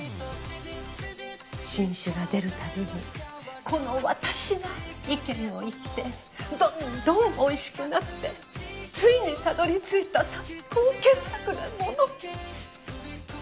新酒が出るたびにこの私が意見を言ってどんどんおいしくなってついにたどりついた最高傑作だもの。